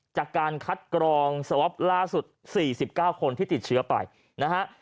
จากการคัดกรองสวอปล่าสุด๔๙คนที่ติดเชื้อไปนะฮะ